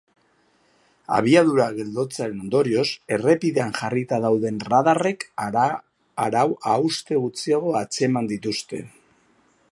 Abiadura geldotzearen ondorioz, errepidean jarrita dauden radarrek arau-hauste gutxiago atzeman dituzte.